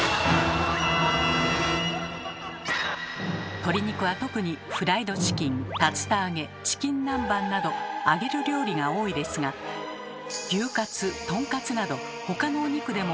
鶏肉は特にフライドチキン竜田揚げチキン南蛮など揚げる料理が多いですが牛カツとんかつなど他のお肉でも揚げる料理はありますよね。